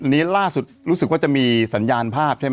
อันนี้ล่าสุดรู้สึกว่าจะมีสัญญาณภาพใช่ไหม